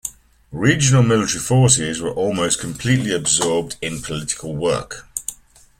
Regional military forces were almost completely absorbed in political work.